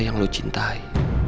yang lo cintai